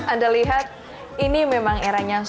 atau lihat langsung saja failnya